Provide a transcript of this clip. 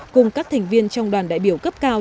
cùng các thành viên trong đoàn đại biểu cấp cao